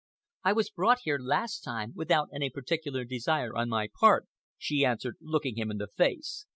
"I was brought here last time without any particular desire on my part," she answered, looking him in the face.